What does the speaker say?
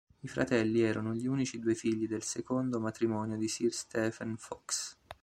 I fratelli erano gli unici due figli del secondo matrimonio di Sir Stephen Fox.